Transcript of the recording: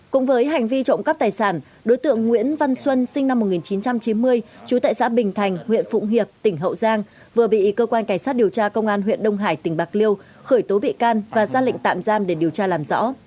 cũng với hành vi trộm cắp tài sản đối tượng nguyễn văn xuân sinh năm một nghìn chín trăm chín mươi trú tại xã bình thành huyện phụng hiệp tỉnh hậu giang vừa bị cơ quan cảnh sát điều tra công an huyện đông hải tỉnh bạc liêu khởi tố bị can và ra lệnh tạm giam để điều tra làm rõ